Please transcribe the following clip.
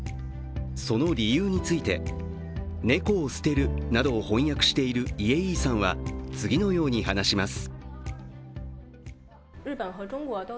その理由について、「猫を棄てる」などを翻訳しているイエ・イーさんは、次のように話します。